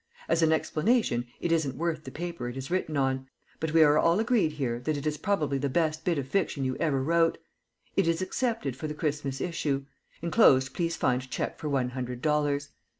As an explanation it isn't worth the paper it is written on, but we are all agreed here that it is probably the best bit of fiction you ever wrote. It is accepted for the Christmas issue. Enclosed please find check for one hundred dollars.